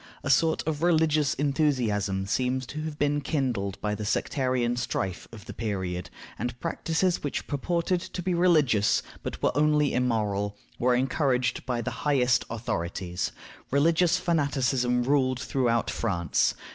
A sort of religious enthusiasm seems to have been kindled by the sectarian strife of the period, and practices which purported to be religious, but were only immoral, were encouraged by the highest authorities. Religious fanaticism ruled throughout France.